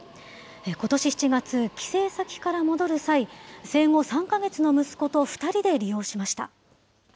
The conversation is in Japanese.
ことし７月、帰省先から戻る際、生後３か月の息子と２人で利用しました。